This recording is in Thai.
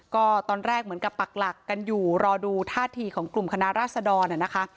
ก็ตอนแรกเหมือนกับปักหลักกันอยู่รอดูท่าทีของกลุ่มคณะราษดรนะคะ